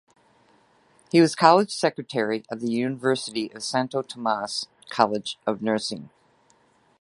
He was college secretary of the University of Santo Tomas College of Nursing.